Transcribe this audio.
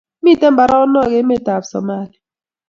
Miten mbaronok emet ab Somalia